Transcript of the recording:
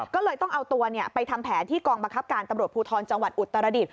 ก็เลยต้องเอาตัวไปทำแผนที่กองบังคับการตำรวจภูทรจังหวัดอุตรดิษฐ